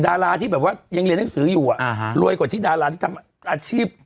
ดาราที่แบบว่ายังเรียนหนังสืออยู่อ่ะอ่าฮะรวยกว่าที่ดาราที่ทำอาชีพ